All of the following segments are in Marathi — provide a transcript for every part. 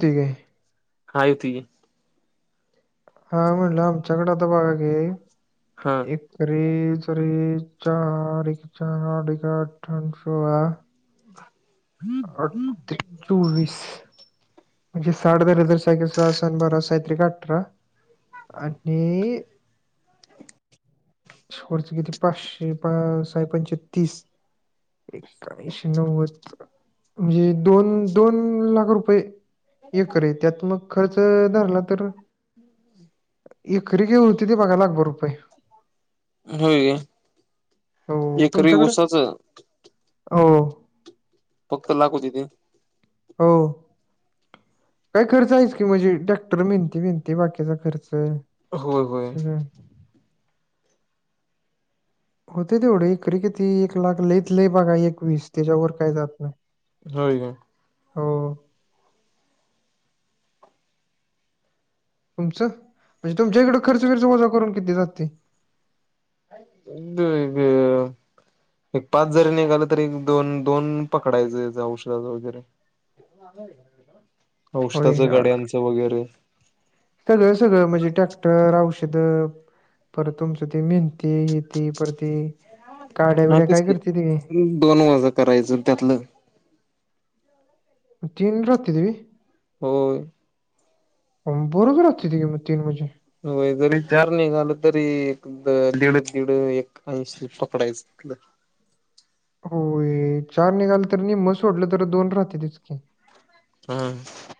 तिघं हेय हायती हा म्हणलं आमच्याांकड आता बगा की हां तरी, तरी चार एक चार, आठ एक आठ, अठरा आणि सोळा [unintelligible] उवीस म्हणजे साठ धरलं तरी सहा एके सहा, सहा दोन्ही बारा, साय त्रिक अठरा. आणि पुढचं किती, पाचशे पा साय पंचे तीस इकोनिषे नव्वद म्हणजे दोन, दोन लाख रुपये एकरी, त्यात मग खर्च धरला तर, एक खरेदी होती ते बघा लाखभर रुपय होय हो काय, एकरी तुमच्याकडं? ऊसाचं? हो फक्त लाख होतीतं हो काय खर्च आहेच की म्हणजे टॅक्टर भेंती, भेंती बाकीचा खर्च होय, होय. सगळं होतय तेवढ एकरी किती एक लाख लयीत लई बघा एक वीस त्येच्यावर काय जात नाही. होय काय हो तुमचं, म्हणजे तुमच्या इकडं खर्च बिरर्च वजा करून किती राहतय? [unintelligible] एक पाच जरी निघालं तरी, एक दोन दोन पकडायचं हेच औषधाच वगैरे. होय औषधाच, अ, गड्यांचं वगैरे सगळं, सगळं म्हणजे टॅक्टर औषधं परत तुमचे मेंथे, हे ते परत हे हा तेच की, दोन वजा करायचं त्यातलं तीन राहत्यात व्हय होयं बरंच राहत्याती तीन म्हणजे? होय, जरी चार निघाल तरी लिड तिड एक, ऐंशी पकडायचं होय, चार निघाल तरी निम्मं सोडलं तर दोन राहत्यातच की हां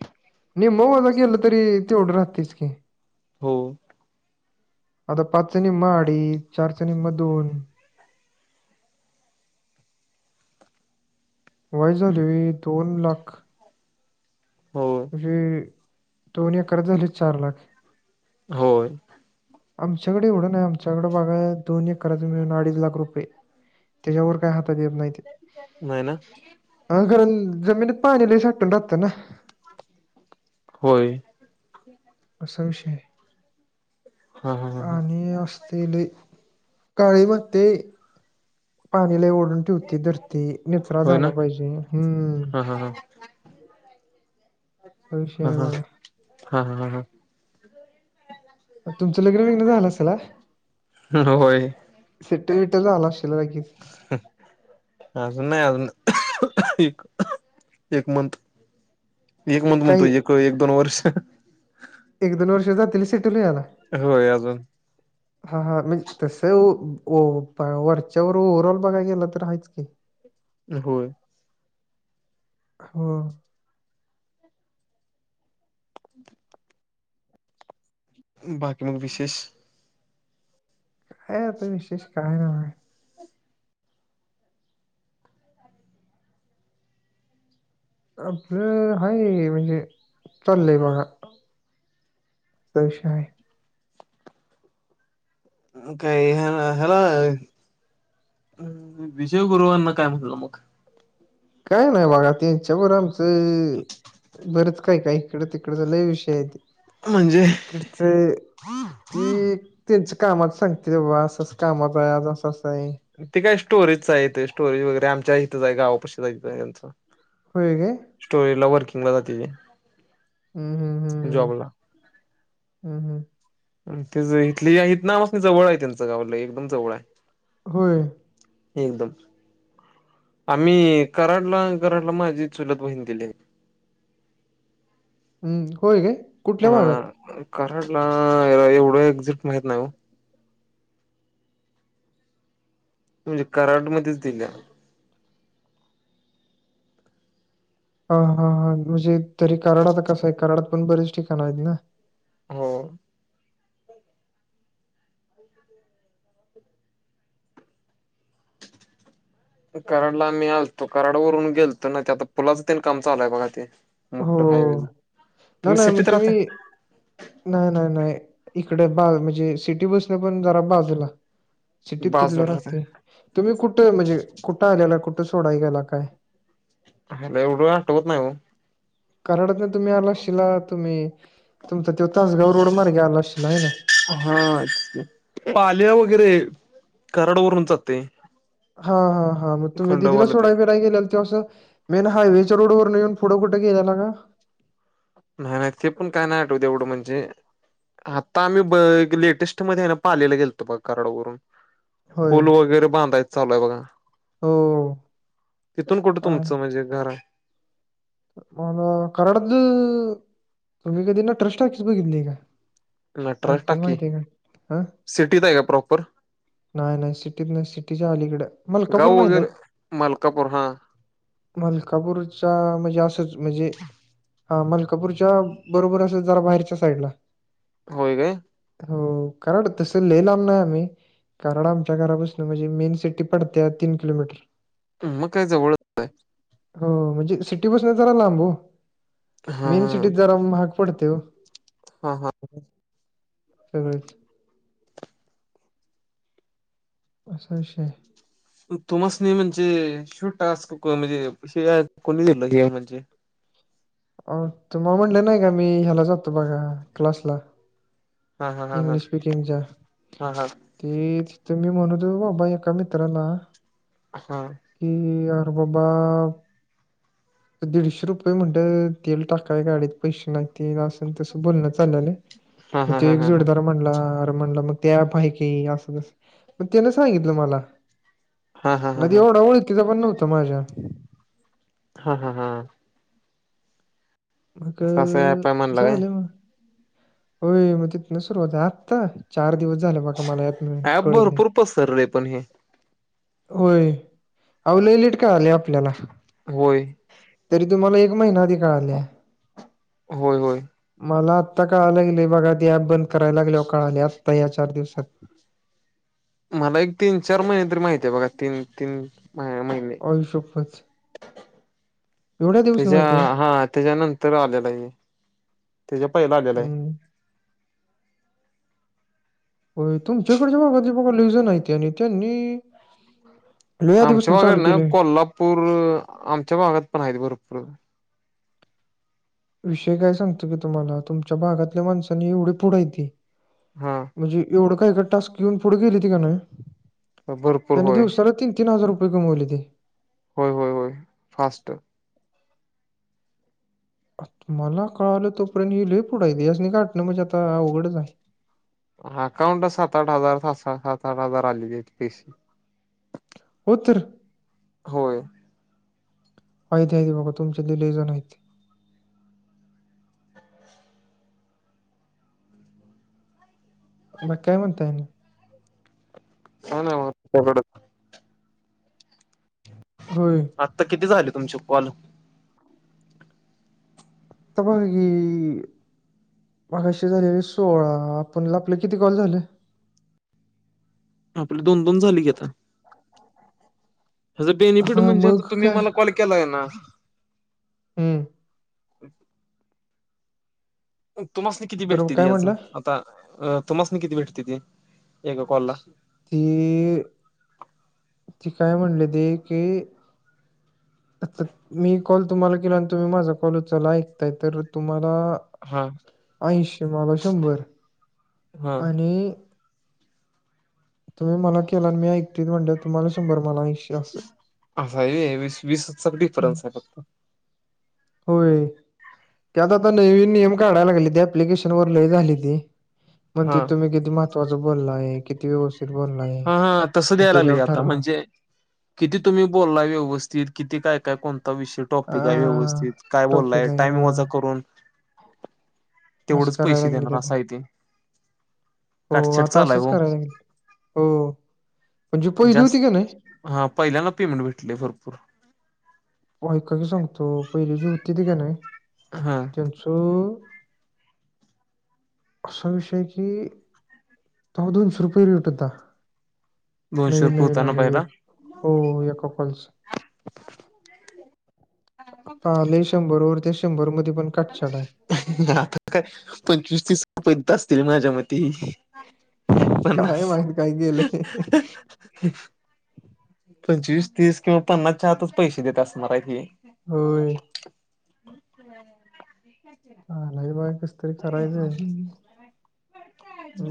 निम्मं वजा केलं तरी तेवढं राहतयच की हो आता पाचच्या निम्मं अडीच, चारच्या निम्मं दोन [inaudible] [inaudible] काय झाले? दोन लाख होय म्हणजे दोन एककर झाले चार लाख. होय. आमच्याकडे एवढं नाही बघायला तर दोन एकर एकदाच मिळुन अडीच लाख रुपये त्याच्यावर काय हात येत नाही. नाही ना. अ कारण जमिनीत पाणी लय साटून राहतं ना. होय. असा विषय हा हा ह आणि अस ते लई काळी माती पाणीलाय ओढून ठेवते धरती निचरा होय झाला ना. पाहिजे हम्म. हा हा. विषय हा आहे हा बघा. हा हा. तुमचं लग्न विग्न झालं असला? हा होय शिफ्ट विफ्ट झाला असशीला की? ह. अजून नाही अजून एक मंथ. एक मंथ म्हणतो काही एक, एक, दोन वर्ष. एक दोन वर्ष जातील सेटल व्हायला? होय अजून. [inaudible] हा हा म्हणजे तस वरच्यावर ओव्हरऑल बघाय गेलं तर आहेच की. [inaudible] होय. हा. बाकी मग विशेष? हाय आता विशेष काही नाही. आपलं हाय म्हणजे चाललंय बघा. असा विषय आहे. मग काय हिला. [unintelligible] विजय गुरुवांना काय म्हटलं मग? काय नाही बाघा त्यांच्यावर आमचं बरंच काही, काही इकड, तिकड लई विषय हाय ते म्हणजे इकडचं ती त्यांच्या कामात सांगते बा असं, असं कामाचं आहे आज असं आहे. ते काय स्टोरेजच आहे तेे स्टोरेज वगैरे आमच्या इथंच आहे गावापशी जायचं ह्यांच. होय काय? स्टोरेज ला वर्किंग ला जाते. हम्म, हम्म. हम्म जॉबला. हम्म, हम्म. ते इथली इथना म अस जवळ आहे त्यांचं गाव लयी एकदम जवळ आहे. होय. एकदम. आम्ही कराडला, कराडला माझी चुलत बहीण दिली आहे. हम्म, होय काय कुठल्या भागात? अ कराडला, एवढं एक्झिट माहित नाही ओ. म्हणजे कराडमध्येच दिल्या. हा हा हा, म्हणजे तरी कराड आता कसंय, कराडात पण बरेच ठिकाणं हायत ना. हो. कराडला आम्ही आलतो, कराड वरून गेलतो ना ते आता पुलाचं तेन काम चालूय बघा ते. मोट्टं हायवे हो. नाही नाही मग तुम्ही नाही नाही नाही, इकडे बाज म्हणजे सिटी बसनं पण जरा बाजूला सिटीत कुठल्या बाजूला राहते,, राहताय तुम्ही कुठं म्हणजे कुठं आल्याला, कुठं सोडाय गेला काय? आयला एवढं आठवत नाही ओ. कराडतनं तुम्ही आला आशिला तुम्ही तुमचा तो तासगाव रोड मार्गे आला आशिला हाय ना. हा, पाल्या वगैरे, कराड वरूनच जातय. हा हा हां, मग तुम्ही दिदीला सोडा तेन बीडाय गेल्याल त्यो असं मेन हायवेच्या रोड वरनं येऊन फुढं कुठं गेल्याला का? नाही नाही ते पण काय नाही आठवत एवढं म्हणजे आता आम्ही ब लेटेस्ट मध्ये आहे ना पालेला गेलतो बघ कराडवरून. होय. पूल वगैरे बांधायच चालूय बघा. हो. तिथून कुठं आहे. तुमचं म्हणजे घर हाय? मला कराडतंऽ, तुम्ही कधी नटराज टॉकीज बघितलीय का? नटराज ऐकून टॉकी,,, माहिती आहे का? हा सिटीत आहे का प्रॉपर? नाही नाही सिटीत नाही,, सिटीच्या आली कडं मलाकापूर माहिती हाय? मलकापुर हां मलकापूरच्या म्हजे म्हजे असंच, म्हणजे हा मलकापूरच्या बरोबर असं जरा भायरच्या साईडला. होय काय. हो, कराड तसं लल लाम नाही आम्ही कराड आमच्या घरापसनं म्हणजे मेन सिटी पडत्या तीन किलोमीटर हम्म मग काय जवळच हो, म्हणजे सिटीपसनं जरा लांब ओ. हा मेन सिटीत जरा म्हाग पडतय ओ हा हा सगळंच. असा ईशय हाय. तुमासनी म्हणजे ह्यो टास्क, म्हणजे कोणी दिलं हे म्हणजे अ तुमाला म्हणलं नाही का मी, ह्याला जातो बघा क्लासला हा हा हा इंग्लिश स्पीकिंगच्या, हा ते मी म्हणत हूतो बाबा एका मित्राला हां. की आरं बाबा तर दीडशे रुपय म्हणलं तेल टाकाय गाडीत पैशे नाहीती न असं न तसं बोलणं चालल्यालं हा हा ते हा हा एक हा जोडदार म्हणला, अरे म्हणला मग ते ऍप आहे की असंतस, मग त्यनं सांगितलं मला हा हा हा हा नदी एवढा वळखीचा पण नव्हता माझ्या. हा हा हा. मग असं असं ऍप आहे म्हणला झालं काय मग. होय मग तिथनं सुरुवात हाय, आत्ता चार दिवस झाल बघा मला हम्म ऍप कळलय. भरपूर पसरलय पण हे होय, अवो लय लेट कळालय आपल्याला. होय. तरी तुम्हाला एक महिना आधी कळालय. होय, होय. मला आत्ता कळा लागलय बघा, ते ऍप बंद करायला लागल्यावर कळालाय आत्ता या चार दिवसात. मला एक तीन चार महिने तरी माहिती आहे बघा, तीन तीन महिने आई शप्पथ! एवढ्या दिवसन त्याच्या माहिती आहे? हा त्याच्यानंतर तर आलेला आहे हे. तेच्या पहिला आलेला आहे. हं. होय तुमच्याकडच्या भागातली बाबा लय जणी हायती. आणि त्यांनी लय आधी पासून चालू केलेय. पुर आमच्या भागात पण हायत भरपूर. विषय काय सांगतो की तुम्हाला, तुमच्या भागातल्या माणसांनी एवढी पुढ हायत. हं, हं. म्हणजे एवढं काय काय टास्क घेऊन पुढे गेली ती कणी. भरपूर त्यांनी होय दिवसाला तीन, तीन हजार रुपये कमवलेती. होय, होय, होय फास्ट. मला कळालं तोपर्यंत ही लई पुढायती, यासन गाठण म्हणजे आता अवघडच आहे. अकाउंटला सात, आठ हजार, सहा, सात आठ हजार आलेलातय पैसे. हो तर. होय. हायती हायती बघा तुमच्यातली लय जन हायती. बाकी काय म्हणताय. काय नाही बघा तुमच्याकड. [inaudible] होय. आत्ता किती झाले तुमचे कॉल. आता बघा की मगाशी झालेले सोळा, आपल आपले किती कॉल झाले. आपल दोन दोन झाल की आता. ह्याच बेनिफिट हा म्हणजे आता मग तुम्ही काय मला कॉल केला आहे ना हम्म. तुम्हासनी किती तर मग भेटतेती काय याचं, म्हणला आता तुमासनी किती भेटत्यात एका कॉलला. ती ती काय म्हणल्याती की आता मी कॉल तुम्हाला केला, आणि तुम्ही माझा कॉल उचलला ऐकताय तर तुम्हाला हा ऐंशीे मला शंभर हा आणि तुम्ही मला केला आणि मी ऐकतोय, म्हणल्यावर तुम्हाला शंभर मला ऐंशी. असं असय व्हय, वीस-वीसचा हम्म. डिफरन्स आहे फक्त. होय, त्याता आता नवीन नियम काडायला लागलेती, ॲप्लिकेशन वर लय झालेती. मग ते हा तुम्ही किती महत्वाचं बोललाय किती [unintelligible] किती बोललाय. हा हा तसं मग द्यायला लागलय त्याच्यावर आता ठरणार म्हणजे किती तुम्ही बोललाय व्यवस्थित किती काय काय कोणता विषय ठेवून आ टॉपिक आहे व्यवस्थित, काय टॉपिक बोललाय आहे टाईम वजा हा करून असं तेवढंच करायला पैसे लागले देणार आता असाय ते. हो, काटछाट आता चालाय असंच हो करायला लागलं. हो पण जे पहिली होती का नाय हां, पहिल्यांदा पेमेंट भेटले भरपूर. ऐका की सांगतो पहिले जी होतीत का नाय हां त्यांच असा विषय आहे की तवा दोनशे रुपये रेट होता. दोनशे नवीन रुपये नवीन होता ना आलय पहिला एक, हो एका कॉलचं. आता आलय शंभर वर, त्या शंभर मध्ये पण काटछाट आहे आता तर काय पंचवीस तीसपर्यंत असतील माझ्या मती. काय पन्नास माहित काय गेलंय [unintelligible] पंचवीस, तीस किंवा पन्नासच्या आतच पैसे देत असणार हायत हे. होय. [unintelligible] [unintelligible] आलाय बाय कसं तरी करायचं.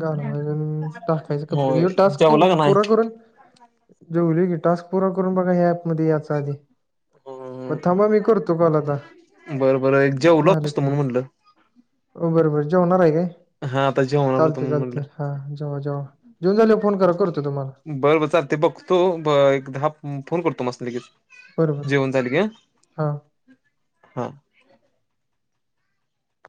घालवायचं न टाकायचं [inaudible] होय ह्यो टास्क जेवला का पुरा करून जेवलो की टास्क पूरा करून बघा ह्या ॲपध्ये यायचं आधी. नाही मग थांबा मी करतो कॉल आता, बरं बरं एक जेवलो झाले असतो पुढे. म्हणून म्हणलं हो, बरं, बरं जेवणार हाय काय? हां, आता जेव चालतंय, चालतंय हा जेवा, जेवा जेवून झाल्यावर फोन करा. करतो तुम्हांला. बरं, बर चालतंय बघतो एक दहा फोन करतो तुमास्नी लगीच. बरं बरं जेवण झालं की? हां हां.